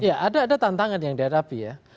ya ada tantangan yang dihadapi ya